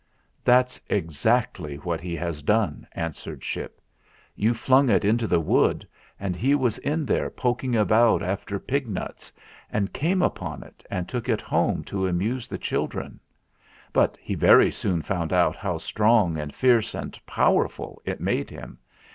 "That's exactly what he has done," answered Ship. "You flung it into the wood, and he was in there poking about after pignuts, and came upon it and took it home to amuse the chil dren. But he very soon found out how strong and fierce and powerful it made him.